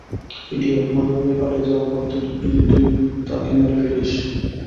Idiot, মাদক নিয়ে পালিয়ে যাওয়ার পর, যদি তুই তাকে মেরে ফেলিস।